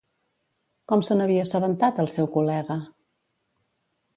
Com se n'havia assabentat el seu col·lega?